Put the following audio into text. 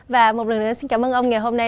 và một lần nữa xin cảm ơn ông ngày hôm nay